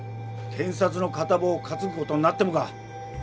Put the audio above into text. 検察の片棒担ぐ事になってもか？